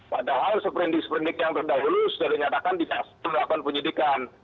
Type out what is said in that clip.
padahal seperindik seperindik yang terdahulu sudah dinyatakan tidak melakukan penyidikan